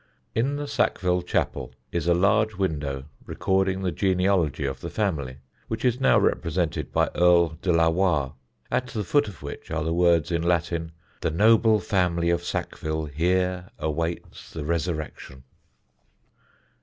In the Sackville Chapel is a large window recording the genealogy of the family, which is now represented by Earl De la Warr, at the foot of which are the words in Latin, "The noble family of Sackville here awaits the Resurrection."